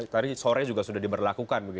tadi sore juga sudah diberlakukan